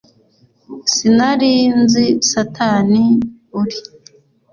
sinari nzi satani uri